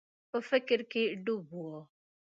په فکر کي ډوب و.